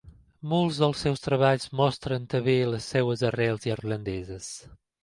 Molts dels seus treballs mostren també les seves arrels irlandeses.